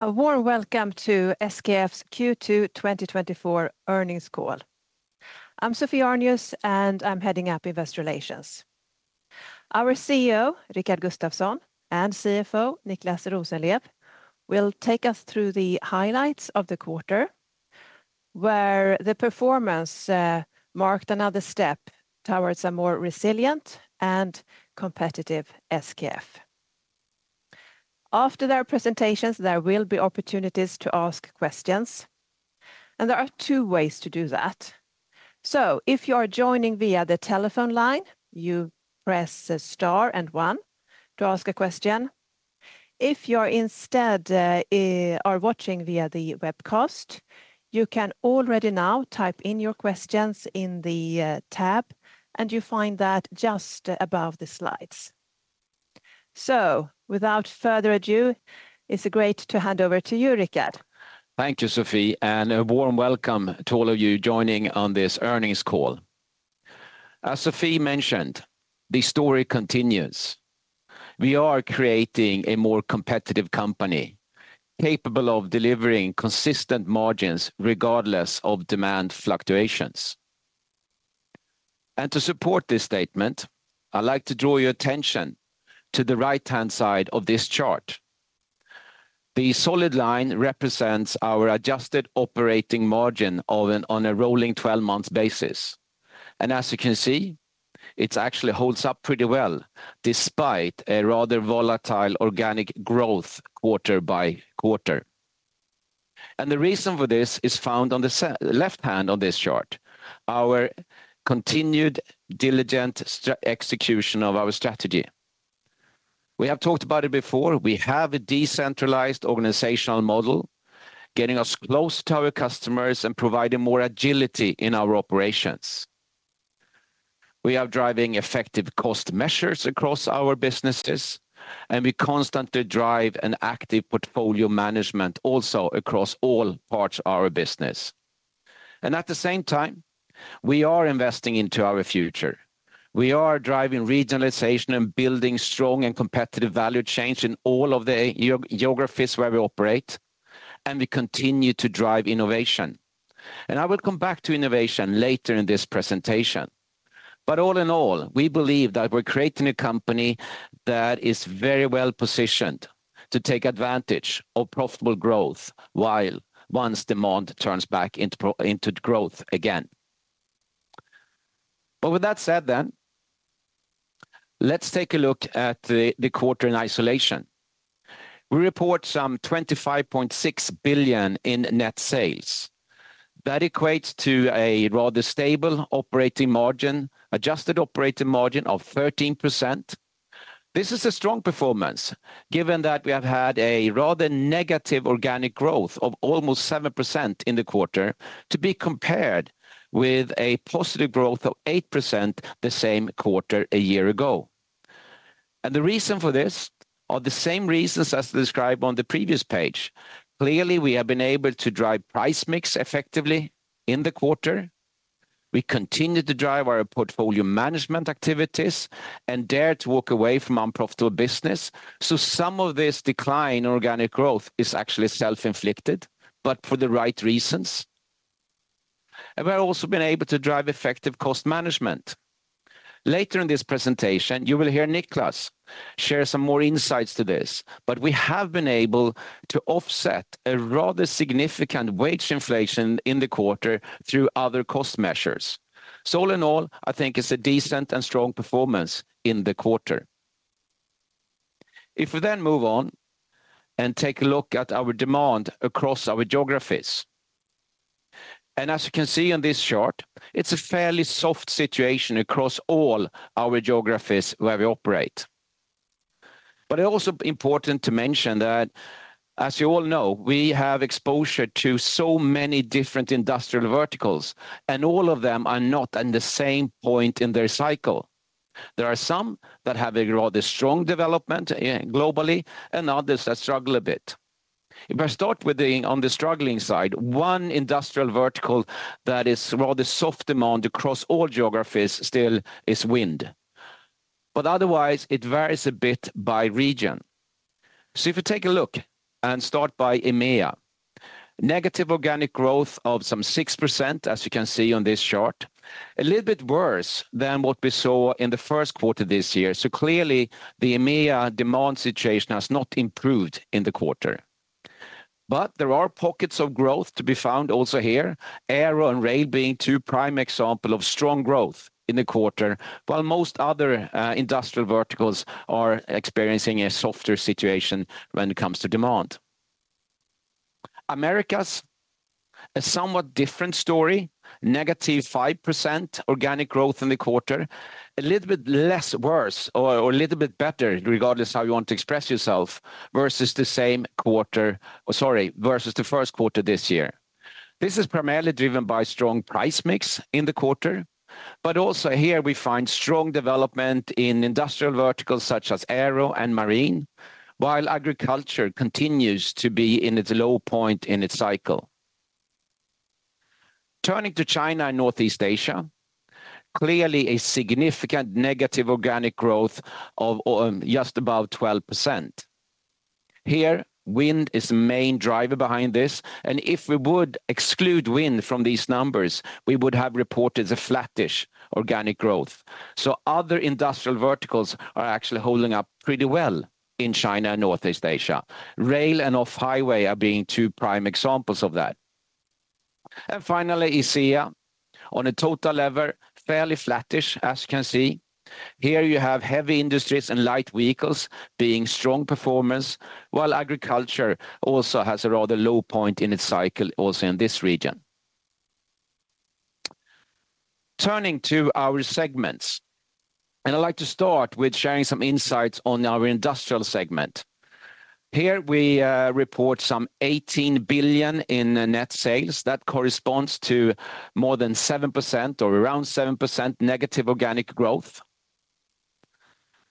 A warm welcome to SKF's Q2 2024 Earnings Call. I'm Sophie Arnius, and I'm heading up Investor Relations. Our CEO, Rickard Gustafson, and CFO, Niclas Rosenlew, will take us through the highlights of the quarter, where the performance marked another step towards a more resilient and competitive SKF. After their presentations, there will be opportunities to ask questions, and there are two ways to do that. So if you are joining via the telephone line, you press star and one to ask a question. If you are instead watching via the webcast, you can already now type in your questions in the tab, and you find that just above the slides. So without further ado, it's great to hand over to you, Rickard. Thank you, Sophie, and a warm welcome to all of you joining on this earnings call. As Sophie mentioned, the story continues. We are creating a more competitive company, capable of delivering consistent margins regardless of demand fluctuations. To support this statement, I'd like to draw your attention to the right-hand side of this chart. The solid line represents our adjusted operating margin on a rolling 12-month basis, and as you can see, it actually holds up pretty well, despite a rather volatile organic growth quarter-by-quarter. The reason for this is found on the left-hand side of this chart, our continued diligent execution of our strategy. We have talked about it before. We have a decentralized organizational model, getting us close to our customers and providing more agility in our operations. We are driving effective cost measures across our businesses, and we constantly drive an active portfolio management also across all parts of our business. At the same time, we are investing into our future. We are driving regionalization and building strong and competitive value chains in all of the geographies where we operate, and we continue to drive innovation. I will come back to innovation later in this presentation. But all in all, we believe that we're creating a company that is very well-positioned to take advantage of profitable growth while once demand turns back into growth again. But with that said then, let's take a look at the quarter in isolation. We report some 25.6 billion in net sales. That equates to a rather stable operating margin, adjusted operating margin of 13%. This is a strong performance, given that we have had a rather negative organic growth of almost 7% in the quarter, to be compared with a positive growth of 8% the same quarter a year ago. The reason for this are the same reasons as described on the previous page. Clearly, we have been able to drive price mix effectively in the quarter. We continued to drive our portfolio management activities and dared to walk away from unprofitable business, so some of this decline in organic growth is actually self-inflicted, but for the right reasons. We're also been able to drive effective cost management. Later in this presentation, you will hear Niclas share some more insights to this, but we have been able to offset a rather significant wage inflation in the quarter through other cost measures. All in all, I think it's a decent and strong performance in the quarter. If we then move on and take a look at our demand across our geographies, and as you can see on this chart, it's a fairly soft situation across all our geographies where we operate. But it's also important to mention that, as you all know, we have exposure to so many different industrial verticals, and all of them are not in the same point in their cycle. There are some that have a rather strong development, globally and others that struggle a bit. If I start with the, on the struggling side, one industrial vertical that is rather soft demand across all geographies still is wind, but otherwise, it varies a bit by region. So if you take a look and start by EMEA, negative organic growth of some 6%, as you can see on this chart, a little bit worse than what we saw in the first quarter this year. So clearly, the EMEA demand situation has not improved in the quarter. But there are pockets of growth to be found also here, Aero and Rail being two prime example of strong growth in the quarter, while most other, industrial verticals are experiencing a softer situation when it comes to demand. Americas, a somewhat different story, -5% organic growth in the quarter, a little bit less worse or, or a little bit better, regardless how you want to express yourself, versus the same quarter, or sorry, versus the first quarter this year. This is primarily driven by strong price mix in the quarter, but also here we find strong development in industrial verticals such as Aero and Marine, while agriculture continues to be in its low point in its cycle. Turning to China and Northeast Asia, clearly a significant negative organic growth of just above 12%. Here, Wind is the main driver behind this, and if we would exclude Wind from these numbers, we would have reported a flattish organic growth. So other industrial verticals are actually holding up pretty well in China and Northeast Asia. Rail and Off-Highway are being two prime examples of that. And finally, ISEA, on a total level, fairly flattish, as you can see. Here, you have heavy industries and light vehicles being strong performance, while agriculture also has a rather low point in its cycle also in this region. Turning to our segments, and I'd like to start with sharing some insights on our industrial segment. Here, we report some 18 billion in net sales. That corresponds to more than 7% or around 7% negative organic growth.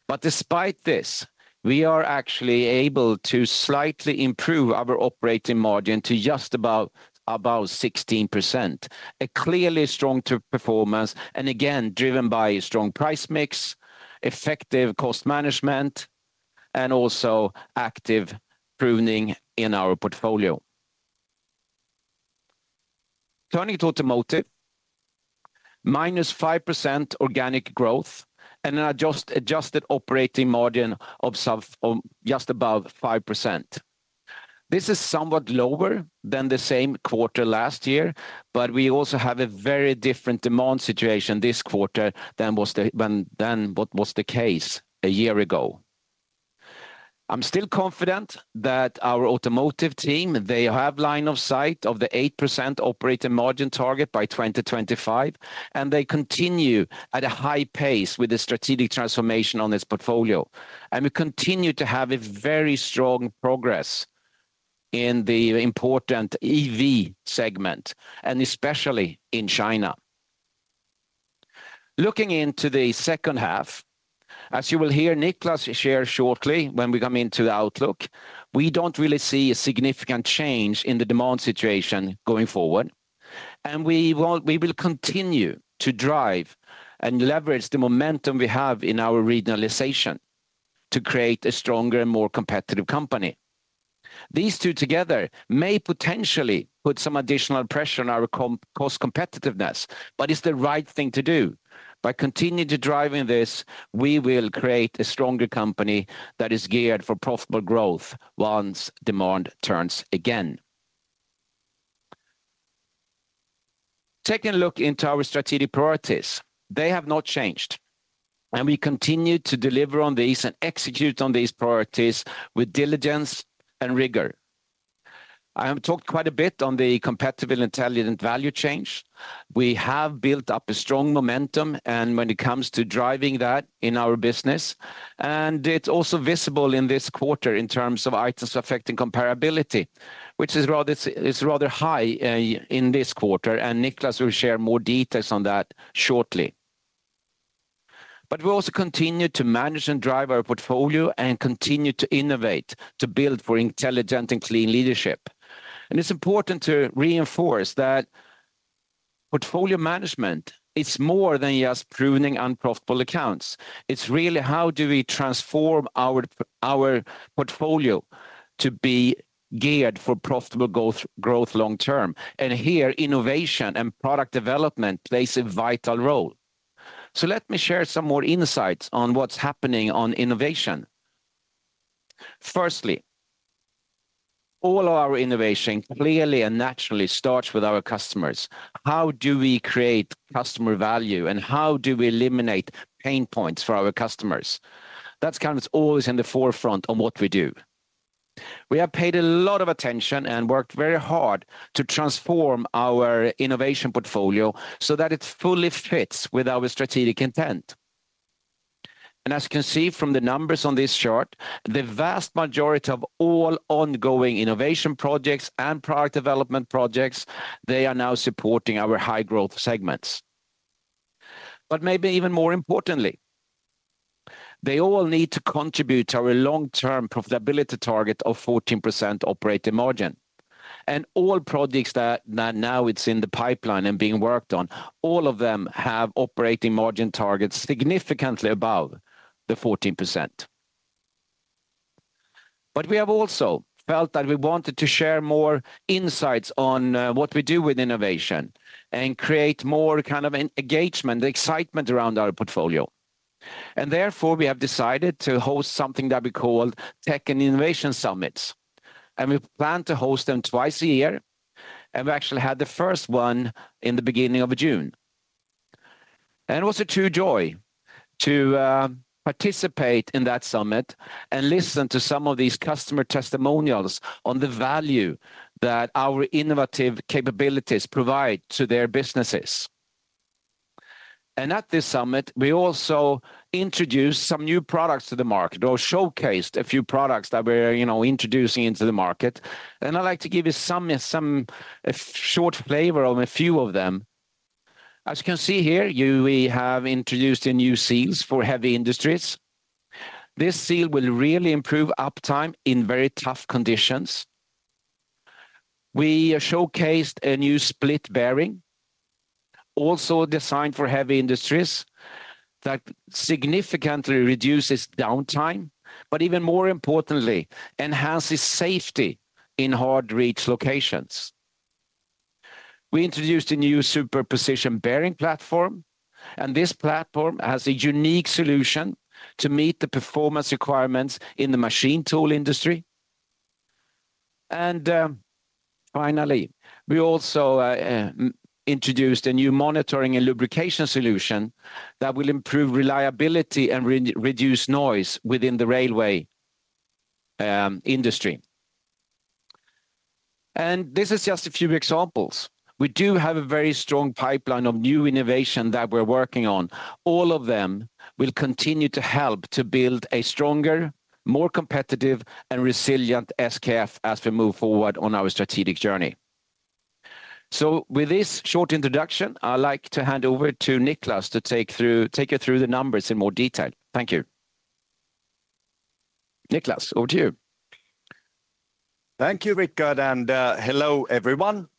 But despite this, we are actually able to slightly improve our operating margin to just about 16%, a clearly strong performance, and again, driven by strong price mix, effective cost management, and also active pruning in our portfolio. Turning to automotive, -5% organic growth and an adjusted operating margin of some just above 5%. This is somewhat lower than the same quarter last year, but we also have a very different demand situation this quarter than what was the case a year ago. I'm still confident that our automotive team, they have line of sight of the 8% operating margin target by 2025, and they continue at a high pace with the strategic transformation on this portfolio. And we continue to have a very strong progress in the important EV segment, and especially in China. Looking into the second half, as you will hear Niclas share shortly when we come into the outlook, we don't really see a significant change in the demand situation going forward. And we will continue to drive and leverage the momentum we have in our regionalization to create a stronger and more competitive company. These two together may potentially put some additional pressure on our cost competitiveness, but it's the right thing to do. By continuing to driving this, we will create a stronger company that is geared for profitable growth once demand turns again. Taking a look into our strategic priorities, they have not changed, and we continue to deliver on these and execute on these priorities with diligence and rigor. I have talked quite a bit on the competitive intelligent value chain. We have built up a strong momentum, and when it comes to driving that in our business, and it's also visible in this quarter in terms of items affecting comparability, which is rather high in this quarter, and Niclas will share more details on that shortly. But we also continue to manage and drive our portfolio and continue to innovate, to build for intelligent and clean leadership. And it's important to reinforce that portfolio management is more than just pruning unprofitable accounts. It's really how do we transform our our portfolio to be geared for profitable growth, growth long term? And here, innovation and product development plays a vital role. So let me share some more insights on what's happening on innovation. Firstly, all our innovation clearly and naturally starts with our customers. How do we create customer value, and how do we eliminate pain points for our customers? That's comes always in the forefront on what we do. We have paid a lot of attention and worked very hard to transform our innovation portfolio so that it fully fits with our strategic intent. And as you can see from the numbers on this chart, the vast majority of all ongoing innovation projects and product development projects, they are now supporting our high-growth segments. But maybe even more importantly, they all need to contribute to our long-term profitability target of 14% operating margin. All projects that now it's in the pipeline and being worked on, all of them have operating margin targets significantly above the 14%. But we have also felt that we wanted to share more insights on what we do with innovation and create more kind of an engagement, excitement around our portfolio. Therefore, we have decided to host something that we call Tech and Innovation Summits, and we plan to host them twice a year, and we actually had the first one in the beginning of June. It was a true joy to participate in that summit and listen to some of these customer testimonials on the value that our innovative capabilities provide to their businesses. At this summit, we also introduced some new products to the market or showcased a few products that we're, you know, introducing into the market. I'd like to give you some a short flavor of a few of them. As you can see here, we have introduced a new seals for heavy industries. This seal will really improve uptime in very tough conditions. We showcased a new split bearing, also designed for heavy industries, that significantly reduces downtime, but even more importantly, enhances safety in hard-to-reach locations. We introduced a new super precision bearing platform, and this platform has a unique solution to meet the performance requirements in the machine tool industry. And finally, we also introduced a new monitoring and lubrication solution that will improve reliability and reduce noise within the railway industry. And this is just a few examples. We do have a very strong pipeline of new innovation that we're working on. All of them will continue to help to build a stronger, more competitive, and resilient SKF as we move forward on our strategic journey. So with this short introduction, I'd like to hand over to Niclas to take you through the numbers in more detail. Thank you. Niclas, over to you. Thank you, Rickard, and hello, everyone.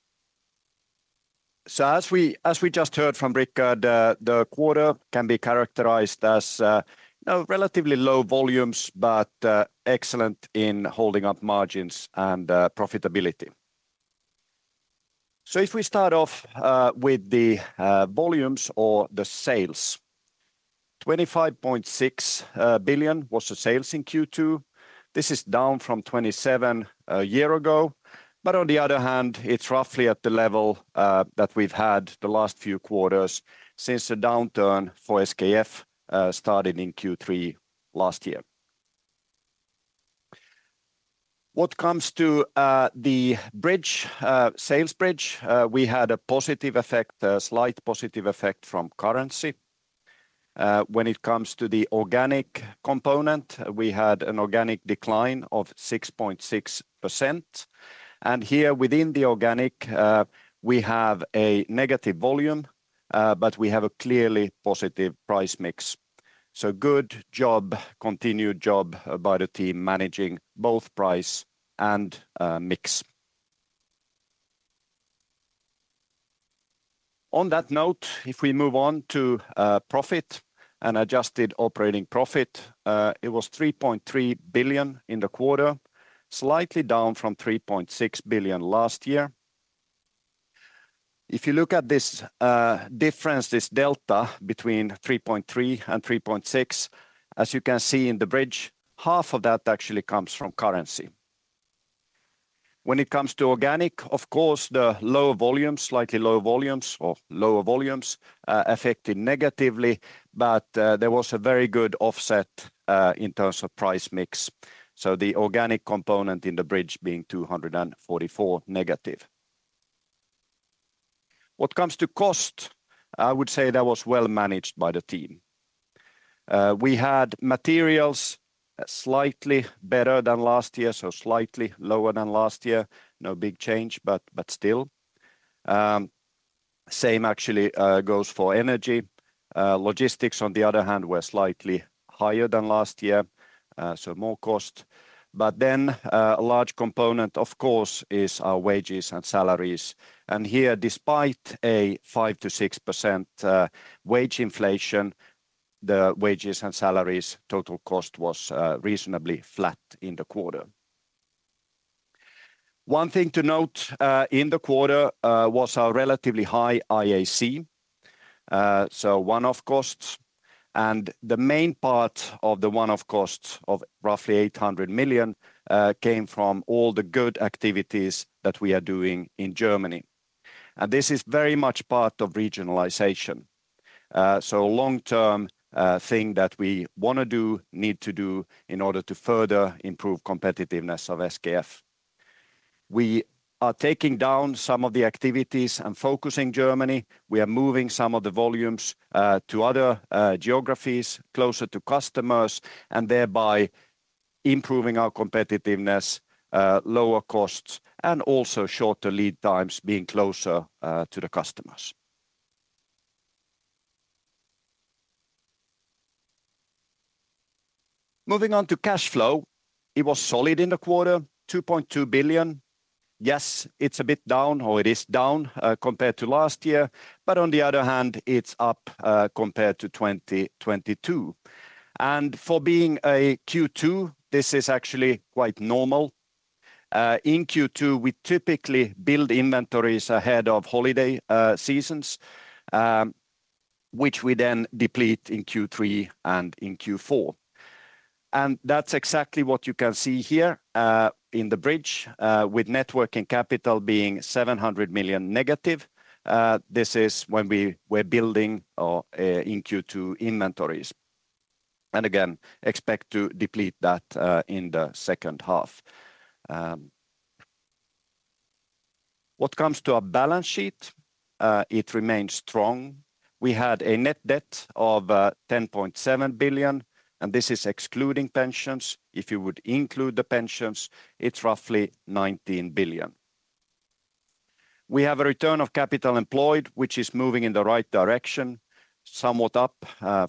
So as we just heard from Rickard, the quarter can be characterized as, you know, relatively low volumes, but excellent in holding up margins and profitability. So if we start off with the volumes or the sales, 25.6 billion was the sales in Q2. This is down from 27 billion a year ago. But on the other hand, it's roughly at the level that we've had the last few quarters since the downturn for SKF started in Q3 last year. What comes to the bridge, sales bridge? We had a positive effect, a slight positive effect from currency. When it comes to the organic component, we had an organic decline of 6.6%. And here, within the organic, we have a negative volume, but we have a clearly positive price mix. So good job, continued job by the team, managing both price and mix. On that note, if we move on to profit and adjusted operating profit, it was 3.3 billion in the quarter, slightly down from 3.6 billion last year. If you look at this difference, this delta between 3.3 billion and 3.6 billion, as you can see in the bridge, half of that actually comes from currency. When it comes to organic, of course, the lower volumes, slightly lower volumes or lower volumes affected negatively, but there was a very good offset in terms of price mix, so the organic component in the bridge being -244 million. What comes to cost? I would say that was well managed by the team. We had materials slightly better than last year, so slightly lower than last year. No big change, but still. Same actually goes for energy. Logistics, on the other hand, were slightly higher than last year, so more cost. But then, a large component, of course, is our wages and salaries. And here, despite a 5%-6% wage inflation, the wages and salaries total cost was reasonably flat in the quarter. One thing to note in the quarter was our relatively high IAC, so one-off costs. And the main part of the one-off costs of roughly 800 million came from all the good activities that we are doing in Germany. And this is very much part of regionalization. So, long-term thing that we wanna do, need to do in order to further improve competitiveness of SKF. We are taking down some of the activities and focusing Germany. We are moving some of the volumes to other geographies closer to customers, and thereby improving our competitiveness, lower costs, and also shorter lead times being closer to the customers. Moving on to cash flow, it was solid in the quarter, 2.2 billion. Yes, it's a bit down, or it is down compared to last year, but on the other hand, it's up compared to 2022. And for being a Q2, this is actually quite normal. In Q2, we typically build inventories ahead of holiday seasons, which we then deplete in Q3 and in Q4. That's exactly what you can see here in the bridge with net working capital being -700 million. This is when we were building up in Q2 inventories. And again, expect to deplete that in the second half. When it comes to our balance sheet, it remains strong. We had a net debt of 10.7 billion and this is excluding pensions. If you would include the pensions, it's roughly 19 billion. We have a return on capital employed, which is moving in the right direction, somewhat up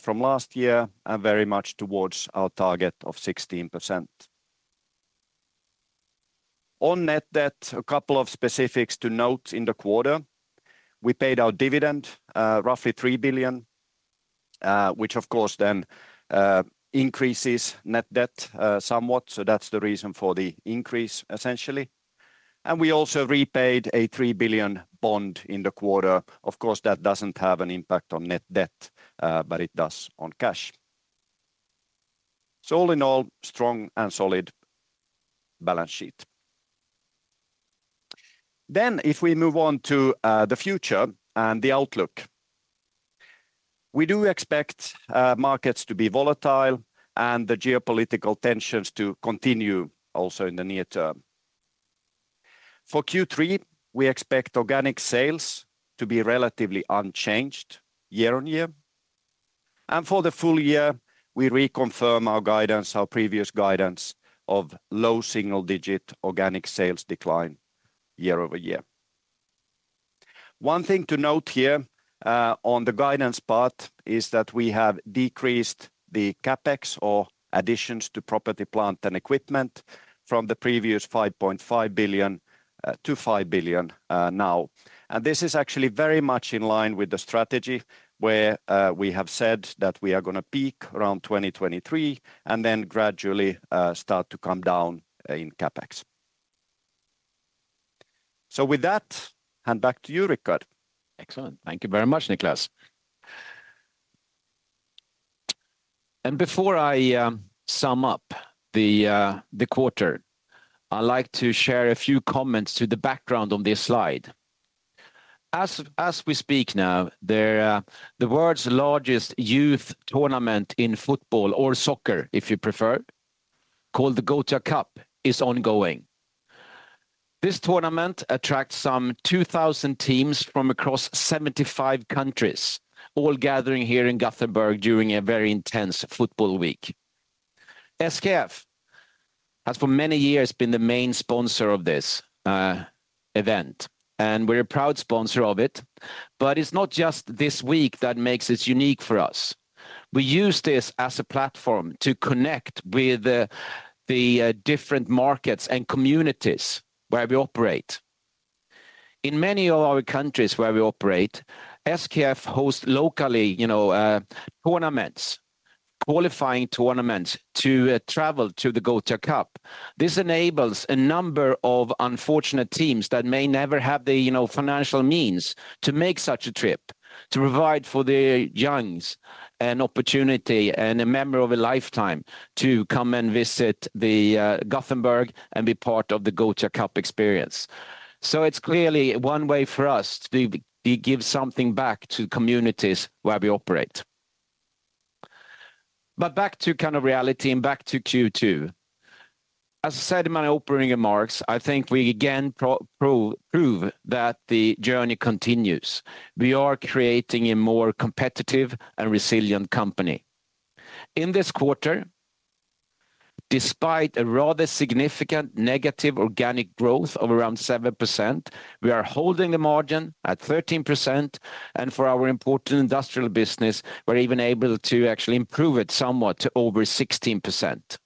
from last year, and very much towards our target of 16%. On net debt, a couple of specifics to note in the quarter. We paid our dividend, roughly 3 billion, which of course then increases net debt somewhat, so that's the reason for the increase, essentially. And we also repaid a 3 billion bond in the quarter. Of course, that doesn't have an impact on net debt, but it does on cash. So all in all, strong and solid balance sheet. Then, if we move on to the future and the outlook, we do expect markets to be volatile and the geopolitical tensions to continue also in the near term. For Q3, we expect organic sales to be relatively unchanged year-over-year, and for the full year, we reconfirm our guidance, our previous guidance of low single-digit organic sales decline year-over-year. One thing to note here, on the guidance part, is that we have decreased the CapEx or additions to property, plant, and equipment from the previous 5.5 billion to 5 billion now. This is actually very much in line with the strategy, where we have said that we are gonna peak around 2023, and then gradually start to come down in CapEx. With that, hand back to you, Rickard. Excellent. Thank you very much, Niclas. Before I sum up the quarter, I'd like to share a few comments to the background on this slide. As we speak now, the world's largest youth tournament in football or soccer, if you prefer, called the Gothia Cup, is ongoing. This tournament attracts some 2,000 teams from across 75 countries, all gathering here in Gothenburg during a very intense football week. SKF has, for many years, been the main sponsor of this event, and we're a proud sponsor of it. It's not just this week that makes it unique for us. We use this as a platform to connect with the different markets and communities where we operate. In many of our countries where we operate, SKF hosts locally, you know, tournaments, qualifying tournaments to travel to the Gothia Cup. This enables a number of unfortunate teams that may never have the, you know, financial means to make such a trip, to provide for the young an opportunity and a memory of a lifetime to come and visit the Gothenburg and be part of the Gothia Cup experience. So it's clearly one way for us to give something back to communities where we operate. But back to kind of reality and back to Q2. As I said in my opening remarks, I think we again prove that the journey continues. We are creating a more competitive and resilient company. In this quarter, despite a rather significant negative organic growth of around 7%, we are holding the margin at 13%, and for our important industrial business, we're even able to actually improve it somewhat to over 16%.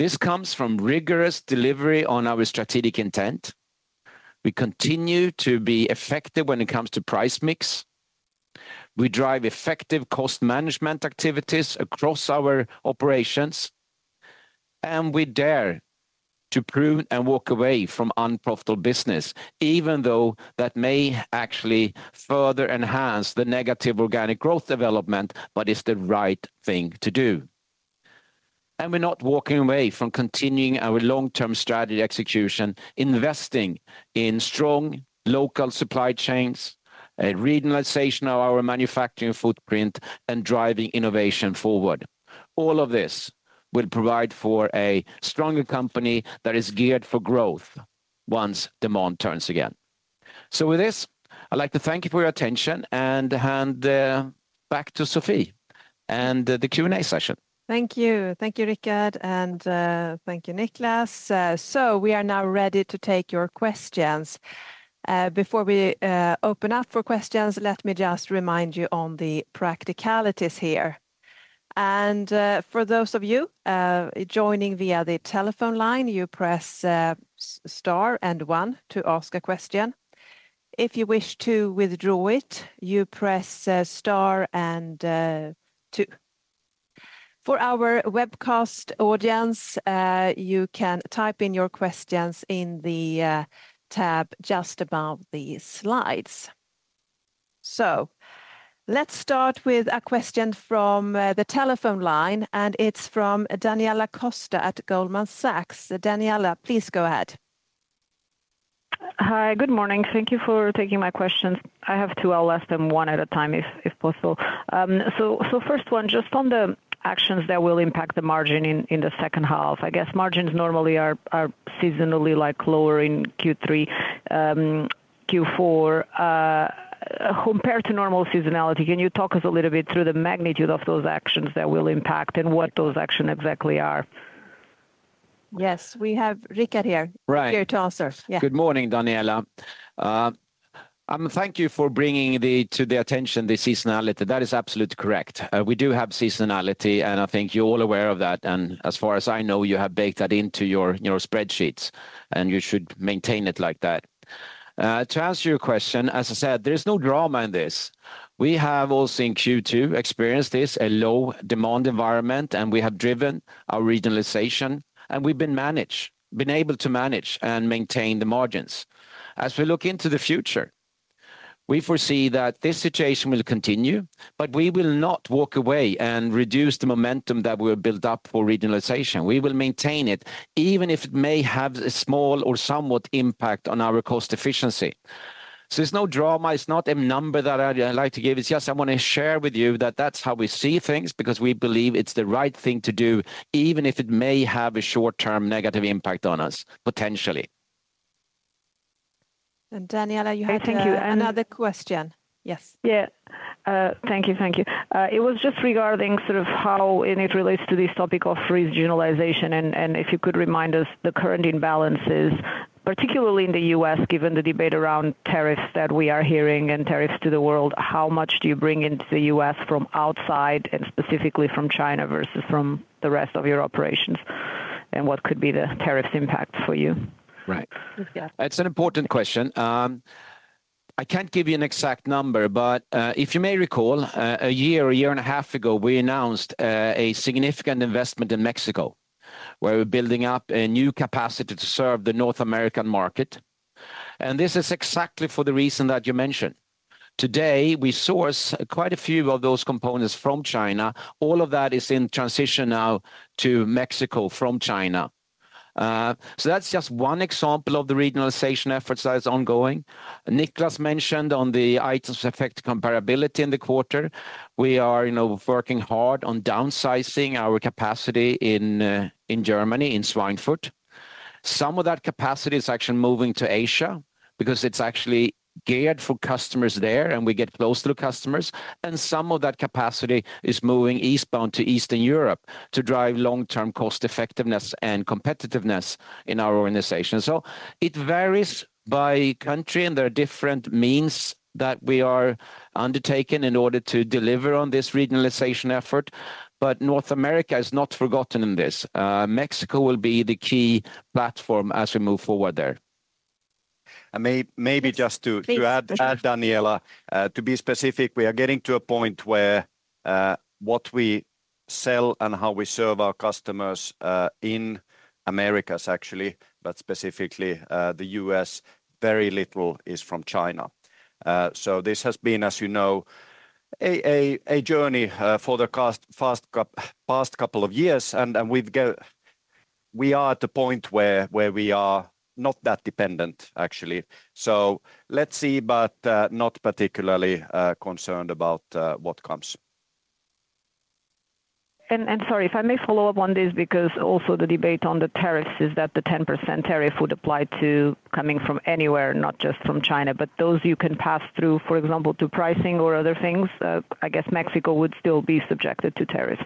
This comes from rigorous delivery on our strategic intent. We continue to be effective when it comes to price mix. We drive effective cost management activities across our operations, and we dare to prune and walk away from unprofitable business, even though that may actually further enhance the negative organic growth development, but it's the right thing to do. And we're not walking away from continuing our long-term strategy execution, investing in strong local supply chains, a regionalization of our manufacturing footprint, and driving innovation forward. All of this will provide for a stronger company that is geared for growth once demand turns again. So with this, I'd like to thank you for your attention and hand back to Sophie and the Q&A session. Thank you. Thank you, Rickard, and thank you, Niclas. So we are now ready to take your questions. Before we open up for questions, let me just remind you on the practicalities here. And for those of you joining via the telephone line, you press star and one to ask a question. If you wish to withdraw it, you press star and two. For our webcast audience, you can type in your questions in the tab just above the slides. So let's start with a question from the telephone line, and it's from Daniela Costa at Goldman Sachs. Daniela, please go ahead. Hi, good morning. Thank you for taking my questions. I have two. I'll ask them one at a time, if possible. So first one, just on the actions that will impact the margin in the second half. I guess margins normally are seasonally like lower in Q3, Q4, compared to normal seasonality. Can you talk us a little bit through the magnitude of those actions that will impact and what those actions exactly are? Yes, we have Rickard here. Right. Here to answer. Yeah. Good morning, Daniela. Thank you for bringing the seasonality to the attention. That is absolutely correct. We do have seasonality, and I think you're all aware of that, and as far as I know, you have baked that into your spreadsheets, and you should maintain it like that. To answer your question, as I said, there is no drama in this. We have also in Q2 experienced this, a low-demand environment, and we have driven our regionalization, and we've been able to manage and maintain the margins. As we look into the future, we foresee that this situation will continue, but we will not walk away and reduce the momentum that we have built up for regionalization. We will maintain it, even if it may have a small or somewhat impact on our cost efficiency. So there's no drama. It's not a number that I'd like to give. It's just I want to share with you that that's how we see things, because we believe it's the right thing to do, even if it may have a short-term negative impact on us, potentially. Daniela, you have- Thank you, and- Another question. Yes. Yeah. Thank you, thank you. It was just regarding sort of how, and it relates to this topic of regionalization, and if you could remind us the current imbalances, particularly in the U.S., given the debate around tariffs that we are hearing and tariffs to the world, how much do you bring into the U.S. from outside and specifically from China versus from the rest of your operations? And what could be the tariffs impact for you? Right. Yes. It's an important question. I can't give you an exact number, but if you may recall, a year, a year and a half ago, we announced a significant investment in Mexico, where we're building up a new capacity to serve the North American market, and this is exactly for the reason that you mentioned. Today, we source quite a few of those components from China. All of that is in transition now to Mexico from China. So that's just one example of the regionalization efforts that is ongoing. Niclas mentioned on the Items Affecting Comparability in the quarter. We are, you know, working hard on downsizing our capacity in, in Germany, in Schweinfurt. Some of that capacity is actually moving to Asia, because it's actually geared for customers there, and we get closer to customers. Some of that capacity is moving eastbound to Eastern Europe to drive long-term cost effectiveness and competitiveness in our organization. So it varies by country, and there are different means that we are undertaking in order to deliver on this regionalization effort, but North America is not forgotten in this. Mexico will be the key platform as we move forward there. Yes, please. Maybe just to add, Daniela, to be specific, we are getting to a point where what we sell and how we serve our customers in Americas, actually, but specifically the U.S., very little is from China. So this has been, as you know, a journey for the past couple of years, and we've got. We are at the point where we are not that dependent, actually. So let's see, but not particularly concerned about what comes. Sorry, if I may follow up on this, because also the debate on the tariffs is that the 10% tariff would apply to coming from anywhere, not just from China, but those you can pass through, for example, to pricing or other things. I guess Mexico would still be subjected to tariffs.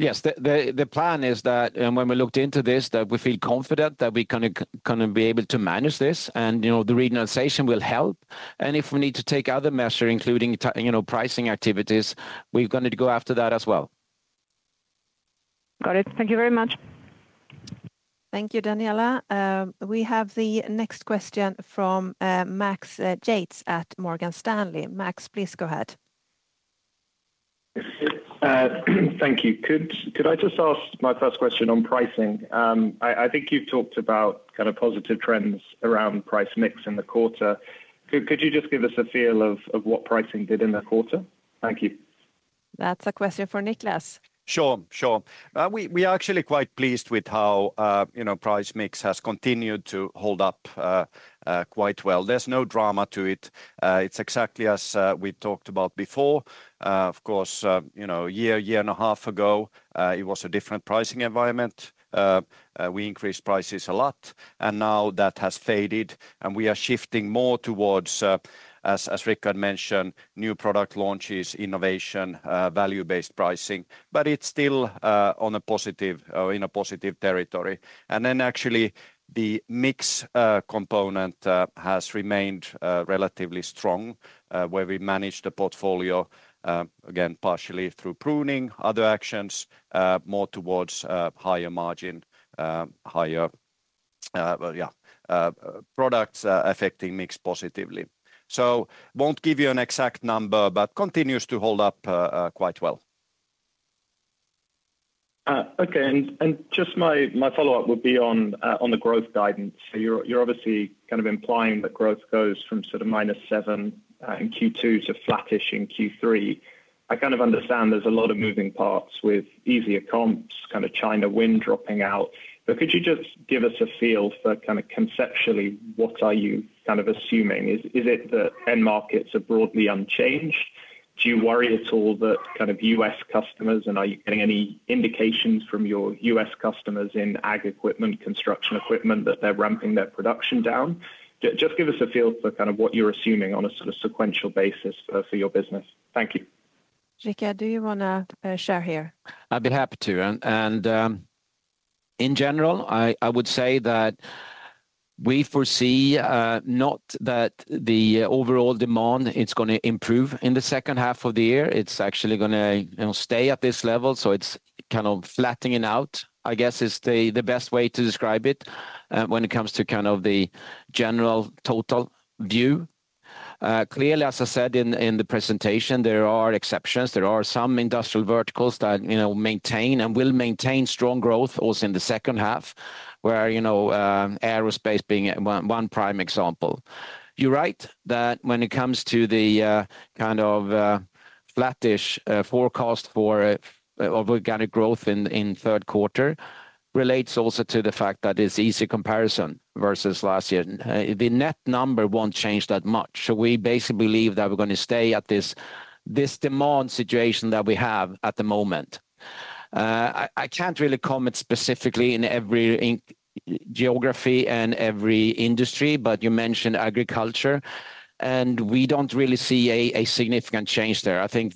Yes. The plan is that, and when we looked into this, that we feel confident that we can gonna be able to manage this and, you know, the regionalization will help. And if we need to take other measure, including you know, pricing activities, we're going to go after that as well. Got it. Thank you very much. Thank you, Daniela. We have the next question from Max Yates at Morgan Stanley. Max, please go ahead. Thank you. Could I just ask my first question on pricing? I think you've talked about kind of positive trends around price mix in the quarter. Could you just give us a feel of what pricing did in the quarter? Thank you. That's a question for Niclas. Sure, sure. We are actually quite pleased with how you know price mix has continued to hold up quite well. There's no drama to it. It's exactly as we talked about before. Of course, you know, a year and a half ago, it was a different pricing environment. We increased prices a lot, and now that has faded, and we are shifting more towards, as Rickard mentioned, new product launches, innovation, value-based pricing, but it's still on a positive, in a positive territory. And then actually, the mix component has remained relatively strong, where we managed the portfolio, again, partially through pruning other actions, more towards higher margin, higher, well, yeah, products affecting mix positively. So, won't give you an exact number, but continues to hold up quite well. Okay, just my follow-up would be on the growth guidance. So you're obviously kind of implying that growth goes from sort of -7% in Q2 to flattish in Q3. I kind of understand there's a lot of moving parts with easier comps, kind of China wind dropping out, but could you just give us a feel for kind of conceptually, what are you kind of assuming? Is it that end markets are broadly unchanged? Do you worry at all that kind of U.S. customers, and are you getting any indications from your U.S. customers in ag-equipment, construction equipment, that they're ramping their production down? Just give us a feel for kind of what you're assuming on a sort of sequential basis, for your business. Thank you. Rickard, do you want to share here? I'd be happy to. In general, I would say that we foresee not that the overall demand it's going to improve in the second half of the year. It's actually going to, you know, stay at this level, so it's kind of flattening out, I guess, is the best way to describe it, when it comes to kind of the general total view. Clearly, as I said in the presentation, there are exceptions. There are some industrial verticals that, you know, maintain and will maintain strong growth also in the second half, where, you know, Aerospace being one prime example. You're right that when it comes to the kind of flattish forecast of organic growth in third quarter, relates also to the fact that it's easy comparison versus last year. The net number won't change that much. So we basically believe that we're going to stay at this demand situation that we have at the moment. I can't really comment specifically in every geography and every industry, but you mentioned agriculture, and we don't really see a significant change there. I think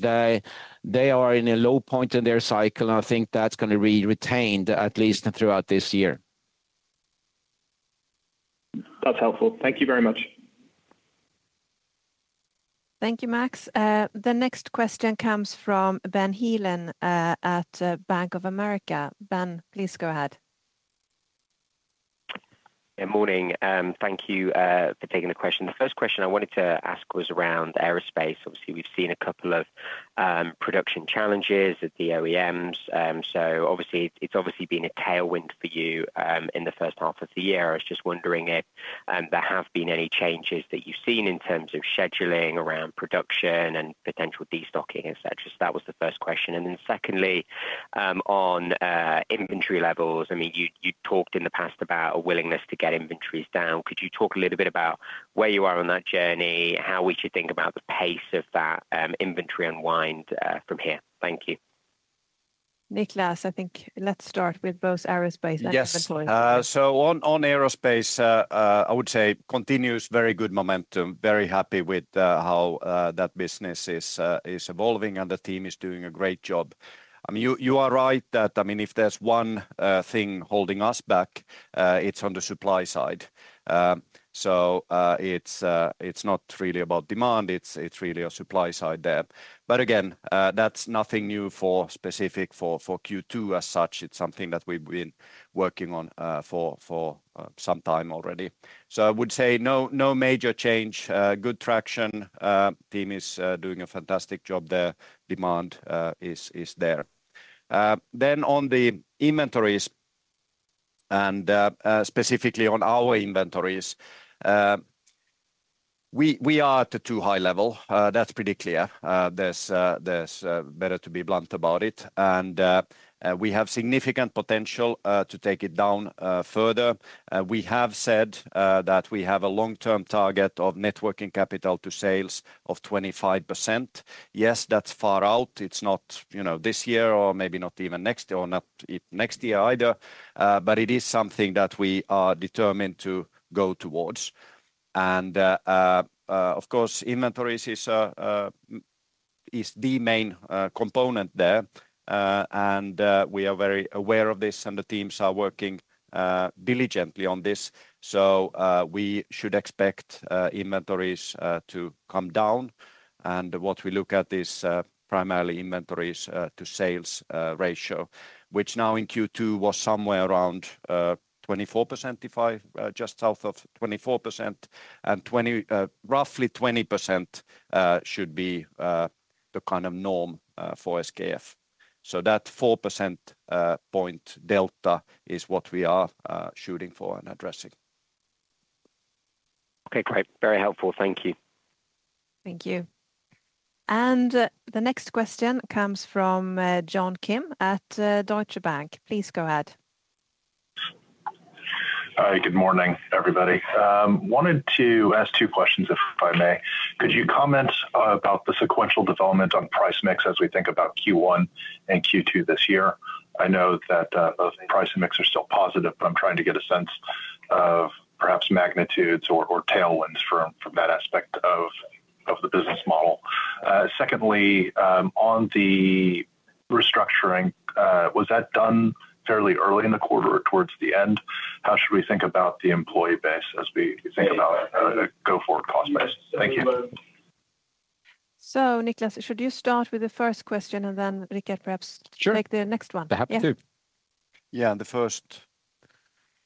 they are in a low point in their cycle, and I think that's going to be retained at least throughout this year. That's helpful. Thank you very much. Thank you, Max. The next question comes from Ben Heelan, at Bank of America. Ben, please go ahead. Yeah, morning. Thank you for taking the question. The first question I wanted to ask was around aerospace. Obviously, we've seen a couple of production challenges at the OEMs, so obviously, it's obviously been a tailwind for you in the first half of the year. I was just wondering if there have been any changes that you've seen in terms of scheduling around production and potential destocking, et cetera. So that was the first question. And then secondly, on inventory levels, I mean, you talked in the past about a willingness to get inventories down. Could you talk a little bit about where you are on that journey, how we should think about the pace of that inventory unwind from here? Thank you. Niclas, I think let's start with both Aerospace and Automotive. Yes. So on Aerospace, I would say continuous, very good momentum, very happy with how that business is evolving, and the team is doing a great job. I mean, you are right that, I mean, if there's one thing holding us back, it's on the supply side. So, it's not really about demand, it's really a supply side there. But again, that's nothing new specifically for Q2 as such. It's something that we've been working on for some time already. So I would say no major change, good traction. Team is doing a fantastic job there. Demand is there. Then on the inventories and, specifically on our inventories, we are at a too high level, that's pretty clear. There's better to be blunt about it, and we have significant potential to take it down further. We have said that we have a long-term target of net working capital to sales of 25%. Yes, that's far out. It's not, you know, this year or maybe not even next year or not next year either, but it is something that we are determined to go towards. And, of course, inventories is the main component there. And, we are very aware of this, and the teams are working diligently on this. So, we should expect inventories to come down, and what we look at is primarily inventories to sales ratio, which now in Q2 was somewhere around 24%, just south of 24%, and 20, roughly 20%, should be the kind of norm for SKF. So that 4% point delta is what we are shooting for and addressing. Okay, great. Very helpful. Thank you. Thank you. The next question comes from John Kim at Deutsche Bank. Please go ahead. Hi, good morning, everybody. Wanted to ask two questions, if I may. Could you comment about the sequential development on price mix as we think about Q1 and Q2 this year? I know that, both price and mix are still positive, but I'm trying to get a sense of perhaps magnitudes or tailwinds from that aspect of the business model. Secondly, on the restructuring, was that done fairly early in the quarter or towards the end? How should we think about the employee base as we think about the go-forward cost base? Thank you. So Niclas, should you start with the first question, and then Rickard, perhaps… Sure... take the next one? I'd be happy to. Yeah. Yeah, the first?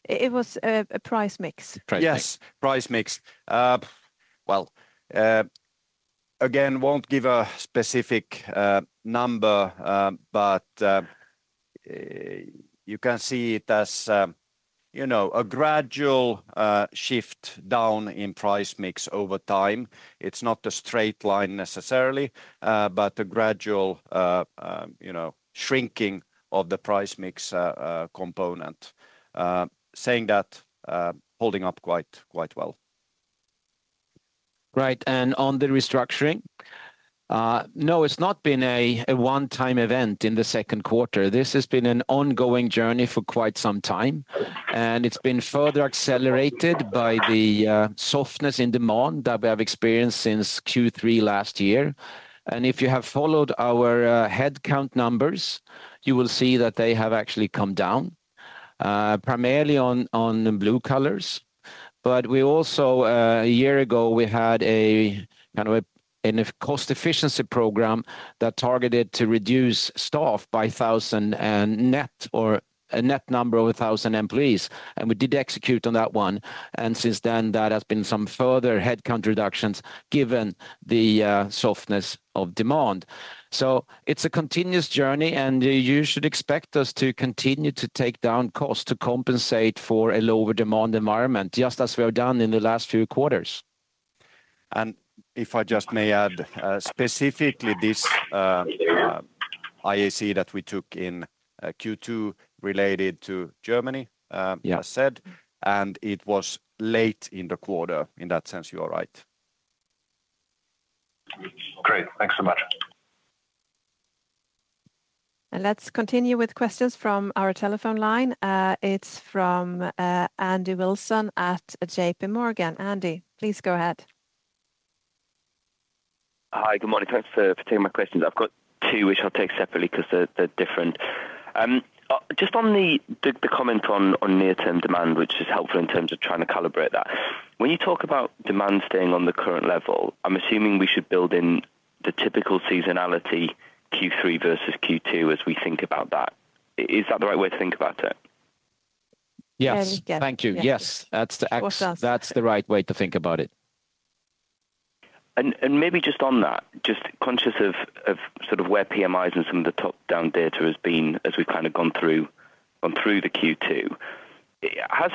It was price mix. Price mix. Yes, price mix. Well, again, won't give a specific number, but you can see it as, you know, a gradual shift down in price mix over time. It's not a straight line necessarily, but a gradual, you know, shrinking of the price mix component. Saying that, holding up quite, quite well. Right, and on the restructuring, no, it's not been a one-time event in the second quarter. This has been an ongoing journey for quite some time, and it's been further accelerated by the softness in demand that we have experienced since Q3 last year. And if you have followed our headcount numbers, you will see that they have actually come down primarily on the blue collars. But we also, a year ago, we had a kind of a cost efficiency program that targeted to reduce staff by 1,000 net or a net number of 1,000 employees, and we did execute on that one. And since then, that has been some further headcount reductions, given the softness of demand. It's a continuous journey, and you should expect us to continue to take down costs to compensate for a lower demand environment, just as we have done in the last few quarters. If I just may add, specifically this IAC that we took in Q2 related to Germany, Yeah As said, and it was late in the quarter. In that sense, you are right. Great. Thanks so much. And let's continue with questions from our telephone line. It's from Andy Wilson at JPMorgan. Andy, please go ahead. Hi. Good morning. Thanks for taking my questions. I've got two, which I'll take separately because they're different. Just on the comment on near-term demand, which is helpful in terms of trying to calibrate that. When you talk about demand staying on the current level, I'm assuming we should build in the typical seasonality, Q3 versus Q2, as we think about that. Is that the right way to think about it? Yes. Andy, yeah. Thank you. Yes, that's the- What's that? That's the right way to think about it. Maybe just on that, just conscious of sort of where PMIs and some of the top-down data has been as we've kind of gone through the Q2. Has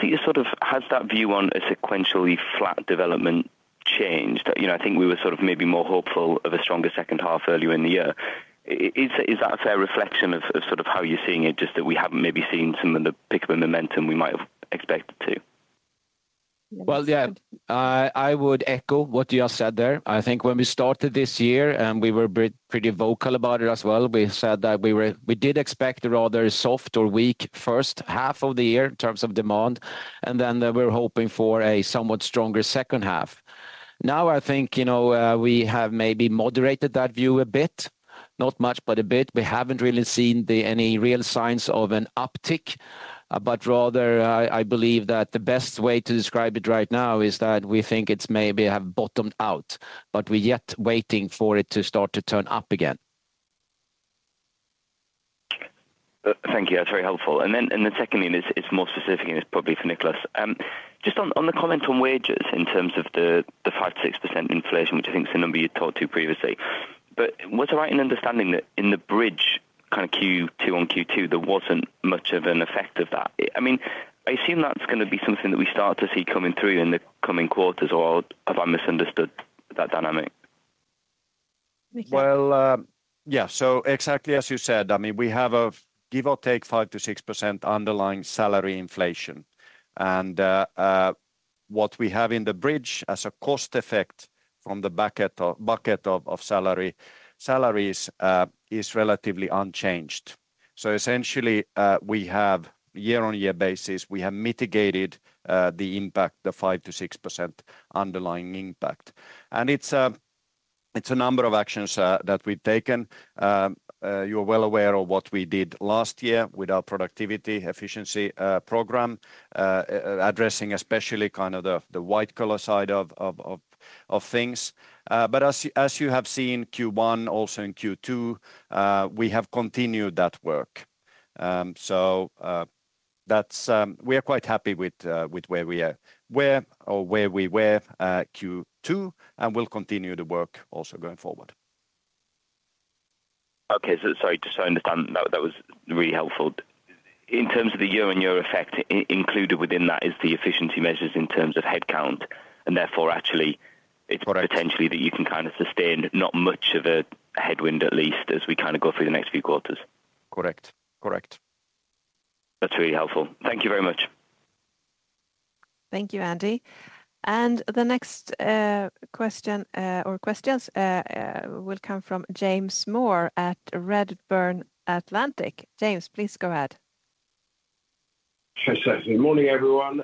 that view on a sequentially flat development changed? You know, I think we were sort of maybe more hopeful of a stronger second half earlier in the year. Is that a fair reflection of sort of how you're seeing it, just that we haven't maybe seen some of the pick of the momentum we might have expected to? Yes. Well, yeah, I would echo what you just said there. I think when we started this year, and we were pretty vocal about it as well, we said that we were, we did expect a rather soft or weak first half of the year in terms of demand, and then we're hoping for a somewhat stronger second half. Now, I think, you know, we have maybe moderated that view a bit, not much, but a bit. We haven't really seen any real signs of an uptick, but rather, I believe that the best way to describe it right now is that we think it's maybe have bottomed out, but we're yet waiting for it to start to turn up again. Thank you. That's very helpful. And then secondly, it's more specific, and it's probably for Niclas. Just on the comment on wages in terms of the 5%-6% inflation, which I think is the number you talked to previously. But was I right in understanding that in the bridge, kind of Q2 on Q2, there wasn't much of an effect of that? I mean, I assume that's gonna be something that we start to see coming through in the coming quarters, or have I misunderstood that dynamic? Niclas? Well, yeah. So exactly as you said, I mean, we have a give or take 5%-6% underlying salary inflation. And what we have in the bridge as a cost effect from the bucket of salaries is relatively unchanged. So essentially, we have year-on-year basis, we have mitigated the impact, the 5%-6% underlying impact. And it's a number of actions that we've taken. You're well aware of what we did last year with our productivity efficiency program, addressing especially kind of the white collar side of things. But as you have seen, Q1, also in Q2, we have continued that work. We are quite happy with where we are, where we were, Q2, and we'll continue the work also going forward. Okay. So sorry, just so I understand, that was really helpful. In terms of the year-on-year effect, included within that is the efficiency measures in terms of headcount, and therefore, actually. Correct It’s potentially that you can kind of sustain not much of a headwind, at least as we kind of go through the next few quarters. Correct. Correct. That's really helpful. Thank you very much. Thank you, Andy. The next question or questions will come from James Moore at Redburn Atlantic. James, please go ahead. Sure, sure. Good morning, everyone.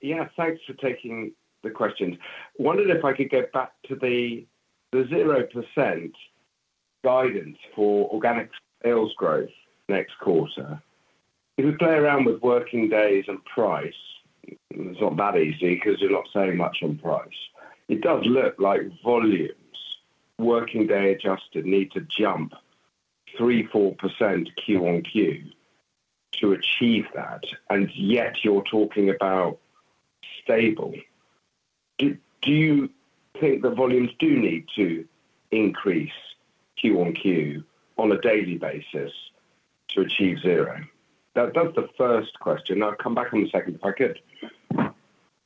Yeah, thanks for taking the questions. I wondered if I could get back to the zero percent guidance for organic sales growth next quarter. If we play around with working days and price, it's not that easy because you're not saying much on price. It does look like volumes, working day adjusted, need to jump 3%-4% Q-on-Q to achieve that, and yet you're talking about stable. Do you think the volumes do need to increase Q-on-Q on a daily basis to achieve 0%? That's the first question. I'll come back on the second, if I could.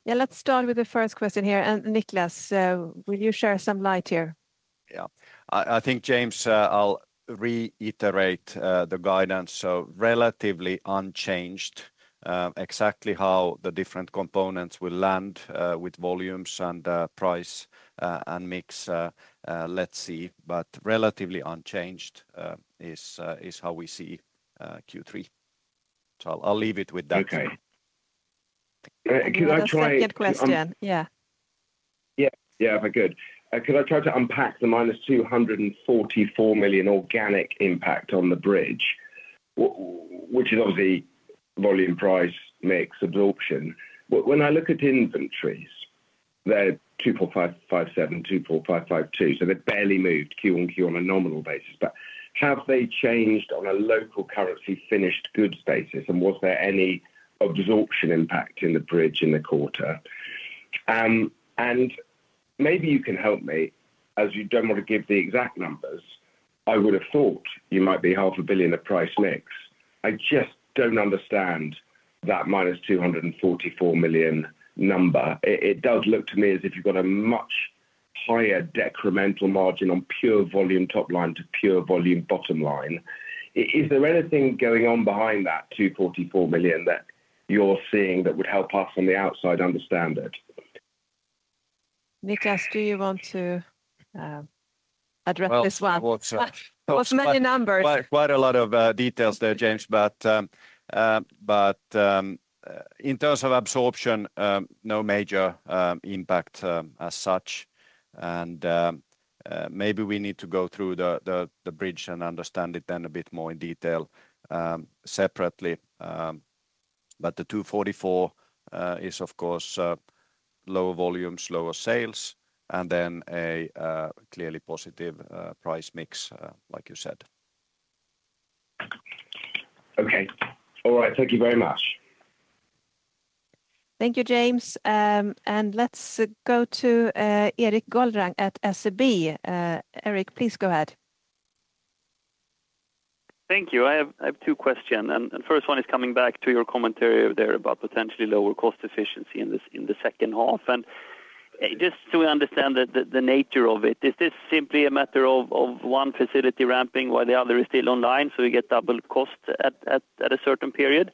Yeah, let's start with the first question here. Niclas, will you share some light here? .Yeah, I think, James, I'll reiterate the guidance, so relatively unchanged. Exactly how the different components will land with volumes and price and mix, let's see, but relatively unchanged is how we see Q3. So I'll leave it with that. Okay. Could I try. You have a second question. Yeah. Yeah. Yeah, very good. Could I try to unpack the -244 million organic impact on the bridge, which is obviously volume, price, mix, absorption. But when I look at inventories, they're 245,557, 245,552, so they've barely moved Q-on-Q on a nominal basis. But have they changed on a local currency finished goods basis? And was there any absorption impact in the bridge in the quarter? And maybe you can help me, as you don't want to give the exact numbers, I would have thought you might be 500 million of price mix. I just don't understand that -244 million number. It does look to me as if you've got a much higher decremental margin on pure volume top line to pure volume bottom line. Is there anything going on behind that -244 million that you're seeing that would help us on the outside understand it? Niclas, do you want to address this one? Well, what, Those many numbers. Quite, quite a lot of details there, James. But in terms of absorption, no major impact as such. And maybe we need to go through the bridge and understand it then a bit more in detail, separately. But the 244 is of course lower volumes, lower sales, and then a clearly positive price mix, like you said. Okay. All right. Thank you very much. Thank you, James. And let's go to Erik Golrang at SEB. Erik, please go ahead. Thank you. I have two questions, and first one is coming back to your commentary there about potentially lower cost efficiency in the second half. And just so we understand the nature of it, is this simply a matter of one facility ramping while the other is still online, so we get double cost at a certain period?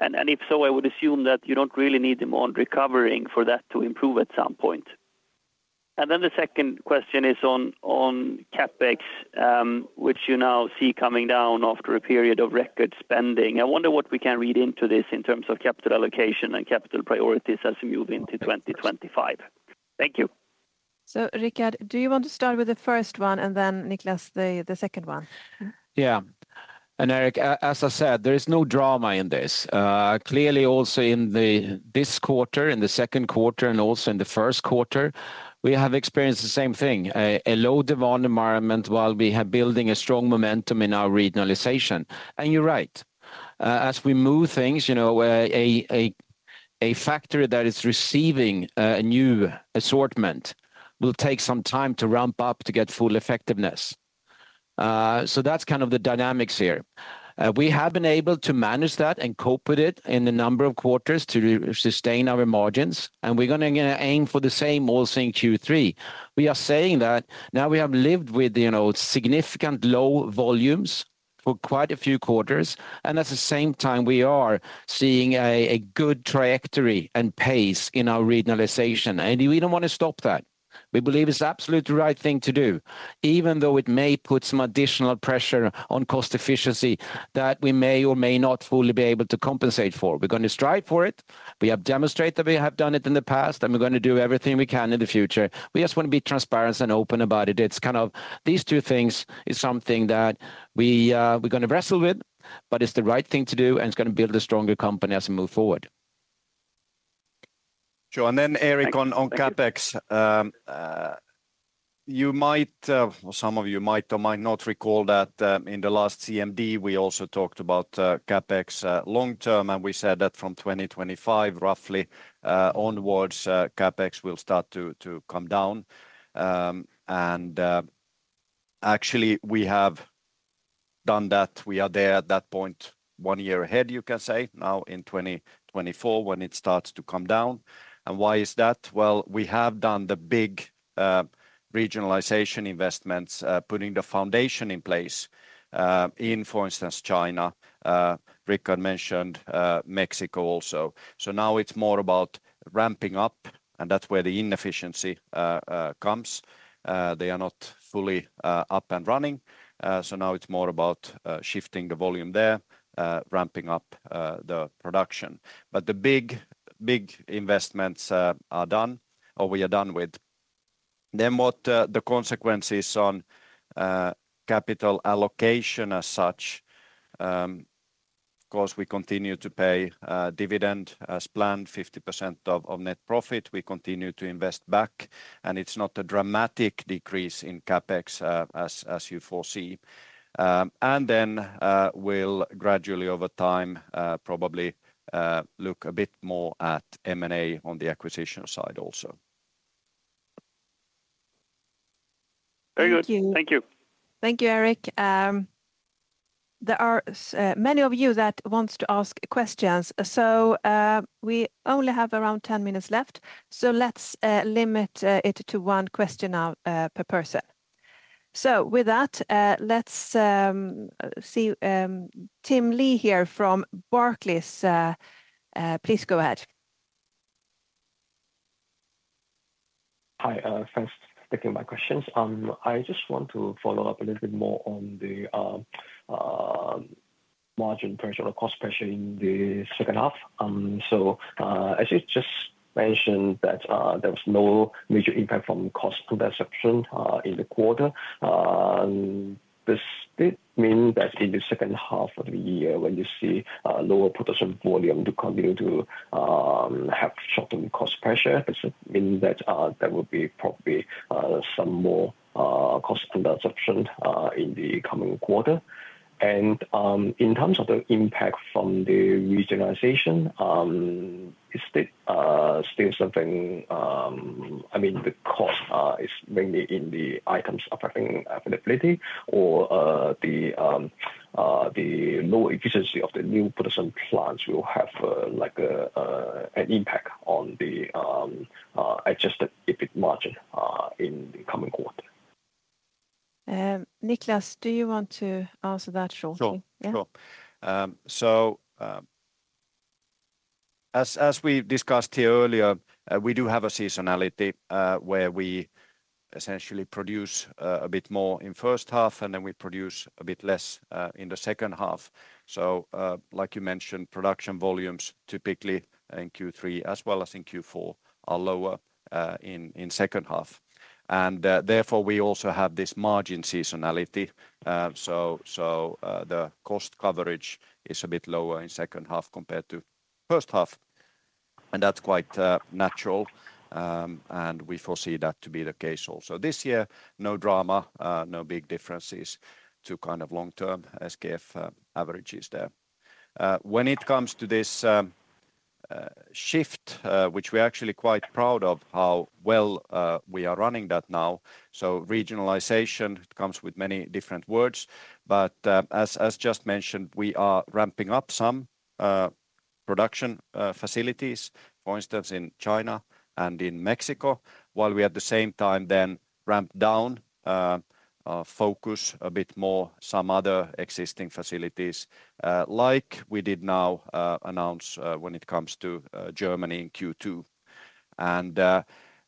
And if so, I would assume that you don't really need demand recovering for that to improve at some point. And then the second question is on CapEx, which you now see coming down after a period of record spending. I wonder what we can read into this in terms of capital allocation and capital priorities as we move into 2025. Thank you. So Rickard, do you want to start with the first one, and then Niclas, the second one? Yeah. And Erik, as I said, there is no drama in this. Clearly, also in this quarter, in the second quarter, and also in the first quarter, we have experienced the same thing, a low-demand environment while we are building a strong momentum in our regionalization. And you're right, as we move things, you know, a factory that is receiving a new assortment will take some time to ramp up to get full effectiveness. So that's kind of the dynamics here. We have been able to manage that and cope with it in the number of quarters to sustain our margins, and we're gonna aim for the same, all seeing Q3. We are saying that now we have lived with, you know, significant low volumes for quite a few quarters, and at the same time, we are seeing a good trajectory and pace in our regionalization, and we don't want to stop that. We believe it's absolutely the right thing to do, even though it may put some additional pressure on cost efficiency that we may or may not fully be able to compensate for. We're going to strive for it. We have demonstrated that we have done it in the past, and we're going to do everything we can in the future. We just want to be transparent and open about it. These two things is something that we, we're going to wrestle with, but it's the right thing to do, and it's going to build a stronger company as we move forward. Sure. And then, Erik, on CapEx. You might, or some of you might or might not recall that, in the last CMD, we also talked about CapEx long term, and we said that from 2025, roughly, onwards, CapEx will start to come down. Actually, we have done that. We are there at that point, one year ahead, you can say, now in 2024, when it starts to come down. And why is that? Well, we have done the big regionalization investments, putting the foundation in place, in for instance, China. Rickard mentioned Mexico also. So now it's more about ramping up, and that's where the inefficiency comes. They are not fully up and running. So now it's more about shifting the volume there, ramping up the production. But the big, big investments are done, or we are done with. Then, what the consequences on capital allocation as such, of course, we continue to pay dividend as planned, 50% of net profit. We continue to invest back, and it's not a dramatic decrease in CapEx, as you foresee. And then we'll gradually, over time, probably look a bit more at M&A on the acquisition side also. Very good. Thank you. Thank you. Thank you, Erik. There are many of you that wants to ask questions, so we only have around 10 minutes left, so let's limit it to one question per person. So with that, let's see Tim Lee here from Barclays. Please go ahead. Hi, thanks for taking my questions. I just want to follow up a little bit more on the margin pressure or cost pressure in the second half. As you just mentioned that there was no major impact from cost absorption in the quarter. Does this mean that in the second half of the year, when you see lower production volume to continue to have shortened cost pressure, does it mean that there will be probably some more cost absorption in the coming quarter? And in terms of the impact from the regionalization, is it still something. I mean, the cost is mainly in the items affecting comparability or the low efficiency of the new production plants will have like an impact on the adjusted EBIT margin in the coming quarter. Niclas, do you want to answer that shortly? Sure. Yeah. Sure. So, as we discussed here earlier, we do have a seasonality where we essentially produce a bit more in first half, and then we produce a bit less in the second half. So, like you mentioned, production volumes, typically in Q3, as well as in Q4, are lower in second half. And therefore, we also have this margin seasonality. So, the cost coverage is a bit lower in second half compared to first half, and that's quite natural. And we foresee that to be the case also this year, no drama, no big differences to kind of long-term SKF averages there. When it comes to this shift, which we're actually quite proud of, how well we are running that now. So regionalization comes with many different words, but, as just mentioned, we are ramping up some production facilities, for instance, in China and in Mexico, while we, at the same time, then ramp down focus a bit more some other existing facilities, like we did now announce, when it comes to Germany in Q2. And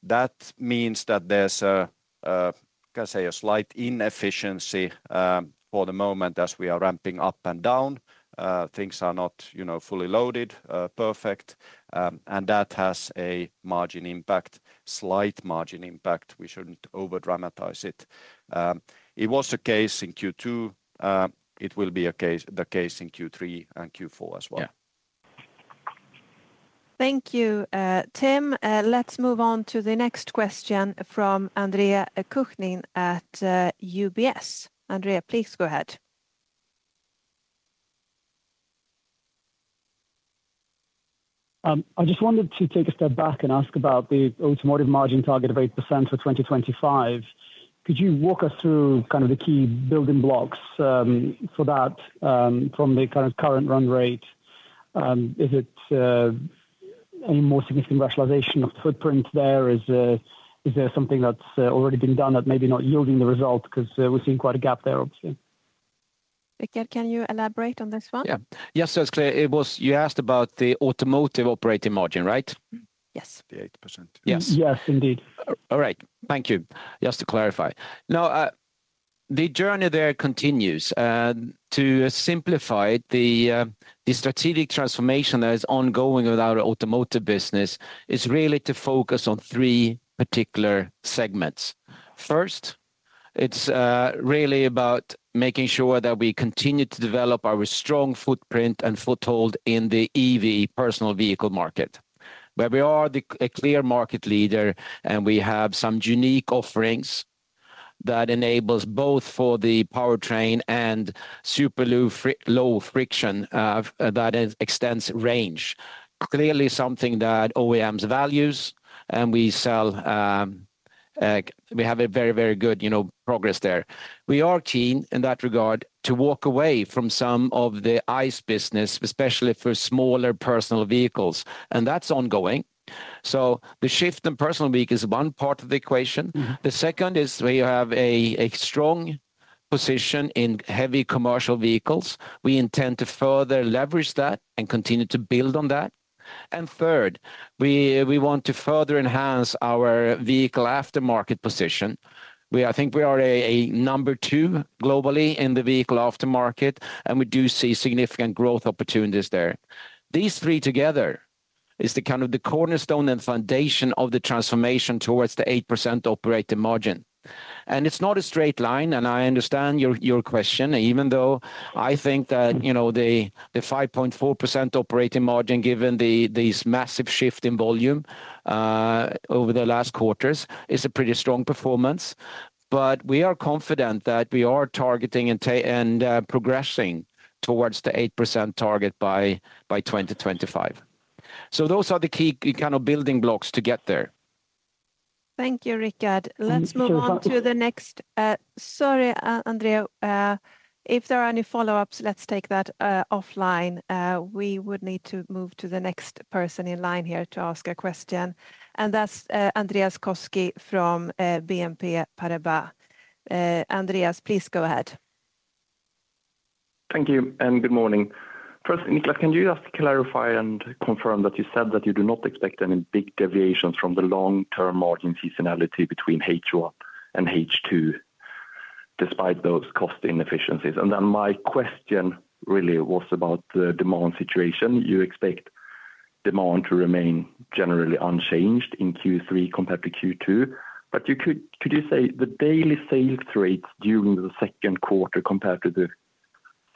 that means that there's a can I say, a slight inefficiency, for the moment, as we are ramping up and down. Things are not, you know, fully loaded perfect. And that has a margin impact, slight margin impact. We shouldn't over-dramatize it. It was the case in Q2. It will be a case, the case in Q3 and Q4 as well. Yeah. Thank you, Tim. Let's move on to the next question from Andre Kukhnin at UBS. Andre, please go ahead. I just wanted to take a step back and ask about the Automotive margin target of 8% for 2025. Could you walk us through kind of the key building blocks for that from the current, current run rate? Is it any more significant rationalization of footprint there? Is, is there something that's already been done that maybe not yielding the result, because we're seeing quite a gap there, obviously. Niclas, can you elaborate on this one? Yeah. Yes, so it's clear. You asked about the automotive operating margin, right? Yes. The 8%. Yes. Yes, indeed. All right, thank you. Just to clarify. Now, the journey there continues. To simplify it, the strategic transformation that is ongoing with our automotive business is really to focus on three particular segments. First, it's really about making sure that we continue to develop our strong footprint and foothold in the EV personal vehicle market, where we are a clear market leader, and we have some unique offerings that enables both for the powertrain and super low friction that extends range. Clearly, something that OEMs values, and we sell, we have a very, very good, you know, progress there. We are keen, in that regard, to walk away from some of the ICE business, especially for smaller personal vehicles, and that's ongoing. So the shift in personal vehicle is one part of the equation. Mm-hmm. The second is we have a strong position in heavy commercial vehicles. We intend to further leverage that and continue to build on that. And third, we want to further enhance our vehicle aftermarket position, where I think we are a number 2 globally in the vehicle aftermarket, and we do see significant growth opportunities there. These three together is the kind of the cornerstone and foundation of the transformation towards the 8% operating margin. And it's not a straight line, and I understand your question, even though I think that, you know, the 5.4% operating margin, given this massive shift in volume over the last quarters, is a pretty strong performance. But we are confident that we are targeting and progressing towards the 8% target by 2025. Those are the key kind of building blocks to get there. Thank you, Rickard. Let's move on to the next, sorry, Andrea, if there are any follow-ups, let's take that offline. We would need to move to the next person in line here to ask a question, and that's Andreas Koski from BNP Paribas. Andre, please go ahead. Thank you, and good morning. First, Niclas, can you just clarify and confirm that you said that you do not expect any big deviations from the long-term margin seasonality between H1 and H2, despite those cost inefficiencies? Then my question really was about the demand situation. You expect demand to remain generally unchanged in Q3 compared to Q2, but could you say the daily sales rates during the second quarter compared to the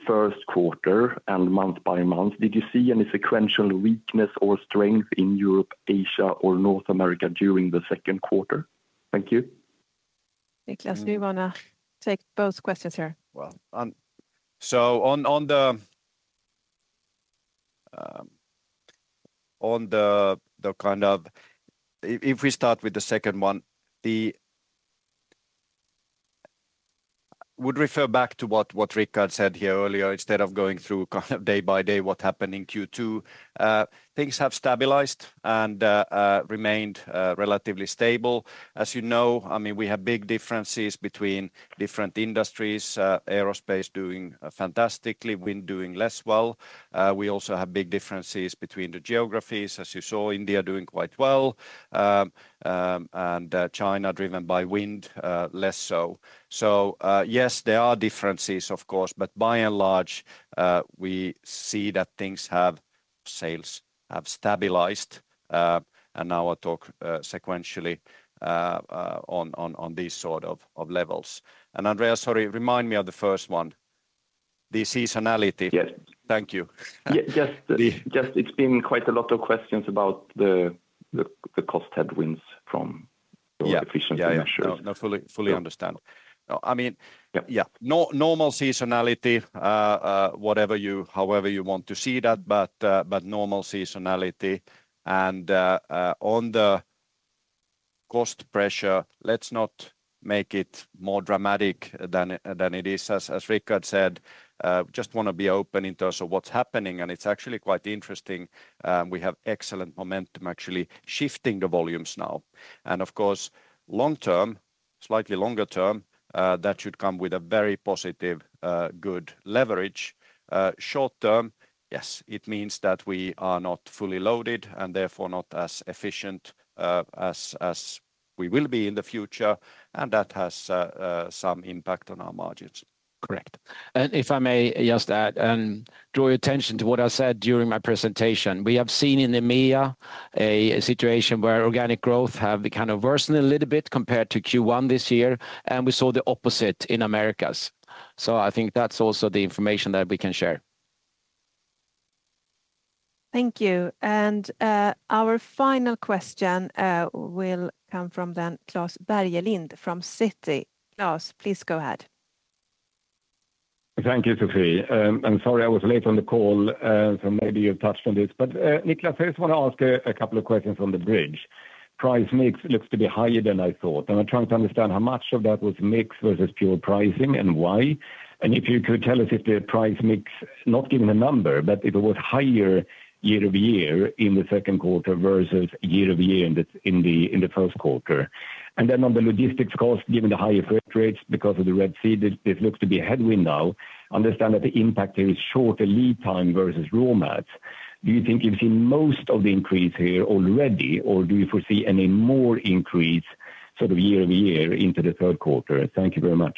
first quarter and month by month, did you see any sequential weakness or strength in Europe, Asia, or North America during the second quarter? Thank you. Niclas, do you want to take both questions here? Well, so on the kind of, If we start with the second one, would refer back to what Rickard said here earlier, instead of going through kind of day by day, what happened in Q2. Things have stabilized and remained relatively stable. As you know, I mean, we have big differences between different industries, Aerospace doing fantastically, Wind doing less well. We also have big differences between the geographies. As you saw, India doing quite well. And China, driven by Wind, less so. So, yes, there are differences, of course, but by and large, we see that things have, sales have stabilized. And now I talk sequentially on these sort of levels. And Andreas, sorry, remind me of the first one. The seasonality? Yes. Thank you. Yeah. The, just it's been quite a lot of questions about the cost headwinds from the efficiency measures. No, no, fully understand. No, I mean, yeah, normal seasonality, whatever you, however you want to see that, but normal seasonality. On the cost pressure, let's not make it more dramatic than it is. As Rickard said, just want to be open in terms of what's happening, and it's actually quite interesting. We have excellent momentum, actually, shifting the volumes now. And of course, long term, slightly longer term, that should come with a very positive, good leverage. Short term, yes, it means that we are not fully loaded, and therefore not as efficient as we will be in the future, and that has some impact on our margins. Correct. If I may just add and draw your attention to what I said during my presentation. We have seen in EMEA a situation where organic growth have kind of worsened a little bit compared to Q1 this year, and we saw the opposite in Americas. I think that's also the information that we can share. Thank you. Our final question will come from Klas Bergelind from Citi. Klas, please go ahead. Thank you, Sophie. I'm sorry I was late on the call, so maybe you have touched on this. But, Niclas, I just want to ask a couple of questions on the bridge. Price mix looks to be higher than I thought, and I'm trying to understand how much of that was mix versus pure pricing, and why. And if you could tell us if the price mix, not giving a number, but if it was higher year-over-year in the second quarter versus year-over-year in the first quarter? And then on the logistics cost, given the higher freight rates because of the Red Sea, this looks to be a headwind now. Understand that the impact there is shorter lead time versus raw mats. Do you think you've seen most of the increase here already, or do you foresee any more increase sort of year-over-year into the third quarter? Thank you very much.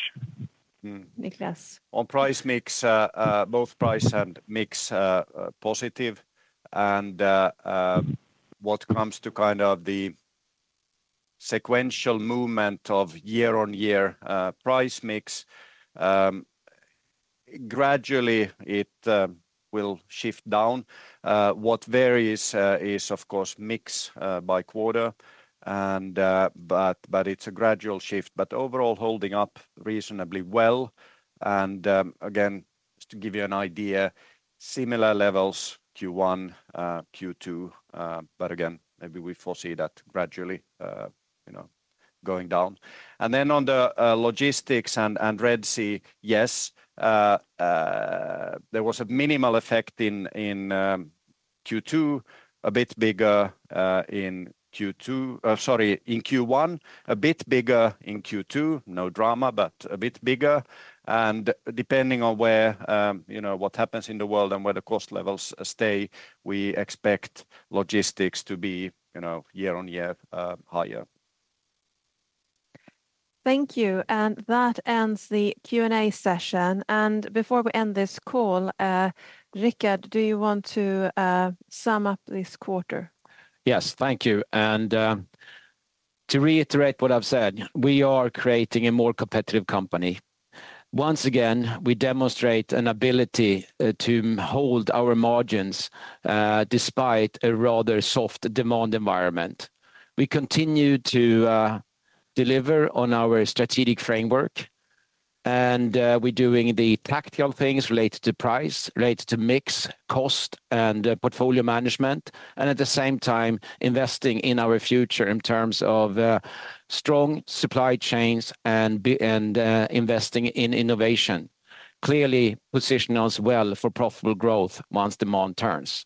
Mm-hmm, Niklas. On price mix, both price and mix, positive. And what comes to kind of the sequential movement of year-on-year price mix, gradually it will shift down. What varies is of course mix by quarter, and but it's a gradual shift. But overall, holding up reasonably well, and again, just to give you an idea, similar levels Q1, Q2. But again, maybe we foresee that gradually, you know, going down. And then on the logistics and Red Sea, yes, there was a minimal effect in Q2, a bit bigger in Q2, sorry, in Q1. A bit bigger in Q2, no drama, but a bit bigger. Depending on where, you know, what happens in the world and where the cost levels stay, we expect logistics to be, you know, year on year, higher. Thank you. That ends the Q&A session. Before we end this call, Rickard, do you want to sum up this quarter? Yes, thank you. To reiterate what I've said, we are creating a more competitive company. Once again, we demonstrate an ability to hold our margins despite a rather soft demand environment. We continue to deliver on our strategic framework, and we're doing the tactical things related to price, related to mix, cost, and portfolio management. At the same time, investing in our future in terms of strong supply chains and investing in innovation. Clearly position us well for profitable growth once demand turns.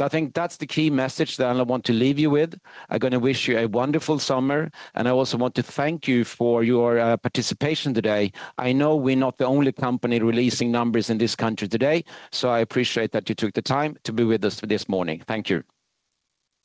I think that's the key message that I want to leave you with. I'm gonna wish you a wonderful summer, and I also want to thank you for your participation today. I know we're not the only company releasing numbers in this country today, so I appreciate that you took the time to be with us this morning. Thank you.